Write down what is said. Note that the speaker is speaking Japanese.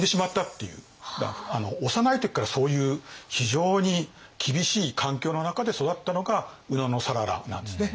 幼い時からそういう非常に厳しい環境の中で育ったのが野讃良なんですね。